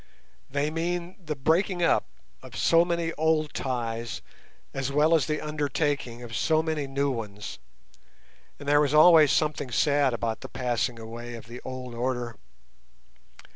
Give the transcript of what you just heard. They mean the breaking up of so many old ties as well as the undertaking of so many new ones, and there is always something sad about the passing away of the old order.